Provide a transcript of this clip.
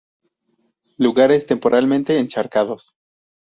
Lugares temporalmente encharcados.